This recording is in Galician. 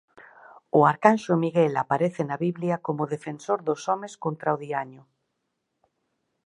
O arcanxo Miguel aparece na Biblia como defensor dos homes contra o diaño.